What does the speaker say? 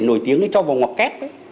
nổi tiếng cho vào ngọt kép